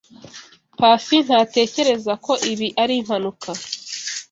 Pacy ntatekereza ko ibi ari impanuka.